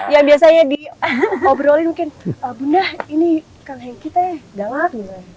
ya biasanya diobrolin mungkin bunda ini kang henki teh galak